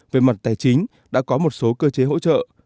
về mặt tài chính đã có một số cơ chế hỗ trợ